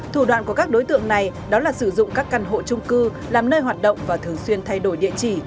thủ đoạn của các đối tượng này đó là sử dụng các căn hộ trung cư làm nơi hoạt động và thường xuyên thay đổi địa chỉ